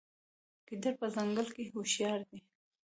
ګیدړ په ځنګل کې هوښیار دی.